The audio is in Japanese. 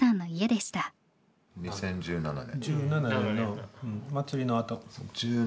２０１７年。